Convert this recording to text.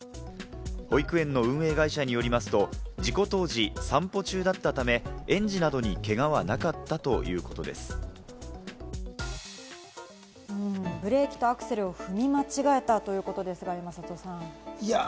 保育園の運営会社によりますと、事故当時、散歩中だったため、園児などにけブレーキとアクセルを踏み間違えたということですが、山里さん。